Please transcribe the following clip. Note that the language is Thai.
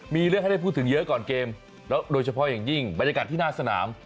มีเรื่องให้ได้พูดถึงเยอะก่อนเกมแล้วโดยเฉพาะอย่างยิ่งบรรยากาศที่หน้าสนาม